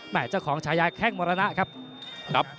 ไหม้ของชายายแค่งมรนะครับ